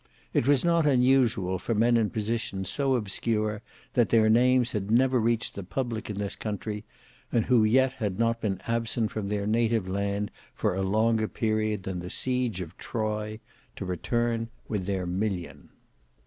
It was not unusual for men in positions so obscure that their names had never reached the public in this country, and who yet had not been absent from their native land for a longer period than the siege of Troy, to return with their million.